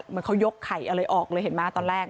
เหมือนเขายกไข่อะไรออกเลยเห็นไหมตอนแรก